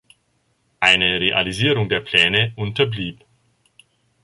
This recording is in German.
Eine Realisierung der Pläne unterblieb.